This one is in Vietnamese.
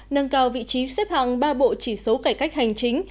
nâng cao vị trí xếp hạng ba bộ chỉ số cải cách hành chính